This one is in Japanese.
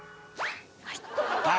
はい。